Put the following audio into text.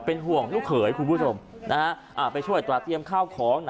เป็นห่วงลูกเขยคุณผู้ชมไปช่วยตราเตรียมข้าวของ